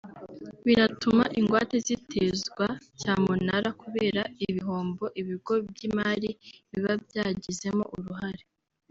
binatuma ingwate zitezwa cyamunara kubera ibihombo ibigo by’imari biba byagizemo uruhare